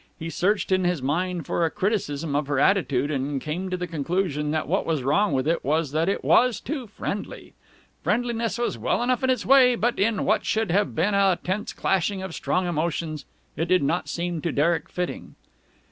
He searched in his mind for a criticism of her attitude, and came to the conclusion that what was wrong with it was that it was too friendly. Friendliness is well enough in its way, but in what should have been a tense clashing of strong emotions it did not seem to Derek fitting.